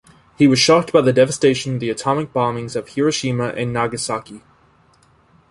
He was shocked by the devastation of the atomic bombings of Hiroshima and Nagasaki.